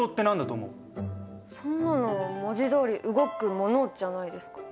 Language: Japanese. そんなの文字どおり動くものじゃないですか？